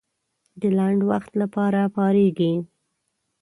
د لنډ وخت لپاره پارېږي.